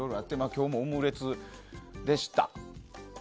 今日もオムレツでした。